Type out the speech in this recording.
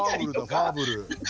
ファーブルだ！